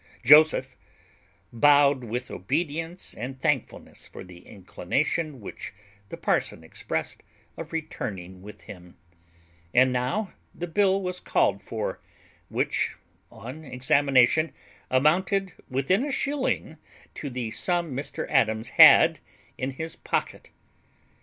Joseph bowed with obedience and thankfulness for the inclination which the parson expressed of returning with him; and now the bill was called for, which, on examination, amounted within a shilling to the sum Mr Adams had in his pocket.